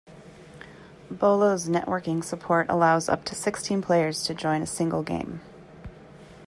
"Bolo"'s networking support allows up to sixteen players to join a single game.